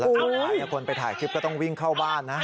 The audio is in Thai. แล้วคุณไหวคนไปถ่ายคลิปก็ต้องวิ่งเข้าบ้านนะ